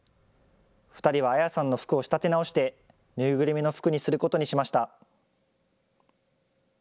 ２人は彩さんの服を仕立て直して縫いぐるみの服にすることにしました。